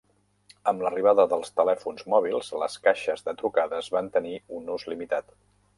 Amb l'arribada dels telèfons mòbils, les caixes de trucades van tenir un ús limitat.